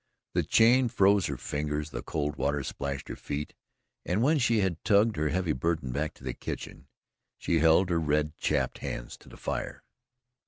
The chain froze her fingers, the cold water splashed her feet, and when she had tugged her heavy burden back to the kitchen, she held her red, chapped hands to the fire.